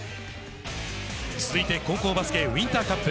続いて高校バスケウインターカップ。